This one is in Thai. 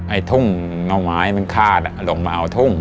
ไอ้ทุ่งหน่อไม้มันคาดลงมาเอาทุ่ง